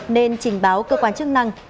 nên trình báo cơ quan chức năng